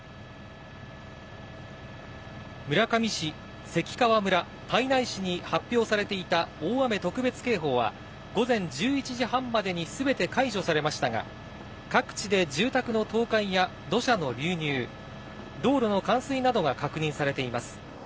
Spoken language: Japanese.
村上市、関川村、胎内市に発表されていた大雨特別警報は、午前１１時半までにすべて解除されましたが、各地で住宅の倒壊や土砂の流入、道路の冠水などが確認されています。